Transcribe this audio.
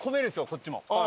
こっちも。